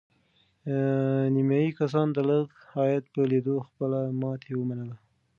نیمایي کسانو د لږ عاید په لیدو خپله ماتې ومنله.